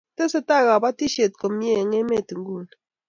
tesetai kabatishiet komie eng' emet nguni